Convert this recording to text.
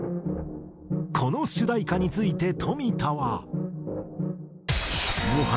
この主題歌について冨田は。